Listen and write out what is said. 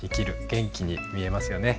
元気に見えますよね。